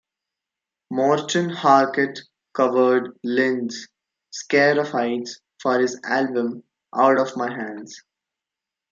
Morten Harket covered Lind's "Scared of Heights" for his album Out of My Hands.